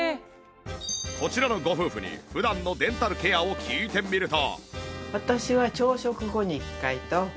こちらのご夫婦に普段のデンタルケアを聞いてみると